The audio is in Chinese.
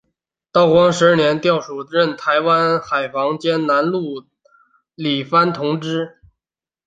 道光十二年调署任台湾府海防兼南路理番同知。